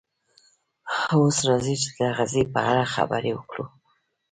اوس راځئ چې د تغذیې په اړه خبرې وکړو